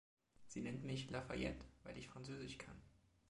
Sie nennt mich Lafayette, weil ich Französisch kann.